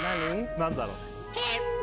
何だろう？